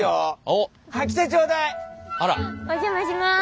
お邪魔します。